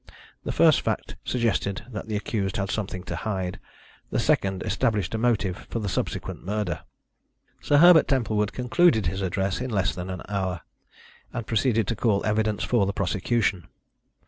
The first fact suggested that the accused had something to hide, the second established a motive for the subsequent murder. Sir Herbert Templewood concluded his address in less than an hour, and proceeded to call evidence for the prosecution.